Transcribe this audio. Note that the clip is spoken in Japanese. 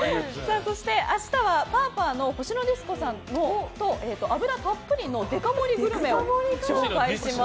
そして明日はパーパーのほしのディスコさんと脂たっぷりのデカ盛りグルメを紹介します。